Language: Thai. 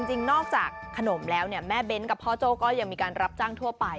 จริงนอกจากขนมแล้วเนี่ยแม่เบ้นกับพ่อโจ้ก็ยังมีการรับจ้างทั่วไป